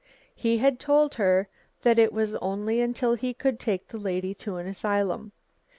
He had told her that it was only until he could take the lady to an asylum.